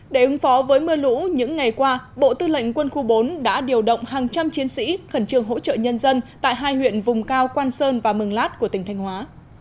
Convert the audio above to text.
để ứng phó với mưa lũ những ngày qua bộ tư lệnh quân khu bốn đã điều động hàng trăm chiến sĩ khẩn trương hỗ trợ nhân dân tại hai huyện vùng cao quan sơn và mường lát của tỉnh thanh hóa